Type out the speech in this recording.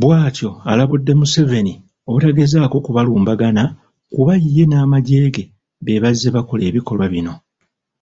Bw'atyo alabudde Museveni obutagezaako kubalumbagana kuba ye n'amagye ge be bazze bakola ebikolwa bino.